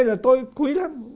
là tôi quý lắm